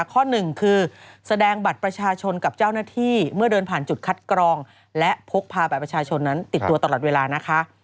ข้อหนึ่งคือแสดงบัตรประชาชนกับเจ้าหน้าที่เมื่อเดินผ่านจุดคัดกรองและพกพาบัตรประชาชนนั้นติดตัวตลอดเวลานะคะ